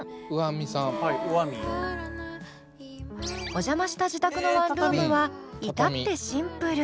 お邪魔した自宅のワンルームはいたってシンプル。